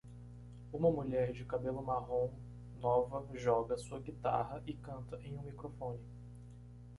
Uma mulher de cabelo marrom nova joga sua guitarra e canta em um microfone.